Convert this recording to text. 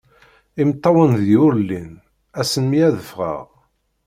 Imeṭṭawen deg-i ur llin, ass-n mi ad d-ffɣeɣ